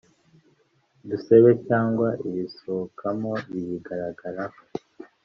nta tubumbe twumvikana mo imbere ndetse n’imoko nta dusebe cyangwa ibisohokamo biyigaragaraho